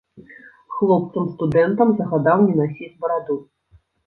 Хлопцам студэнтам загадаў не насіць бараду.